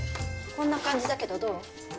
こんな感じだけどどう？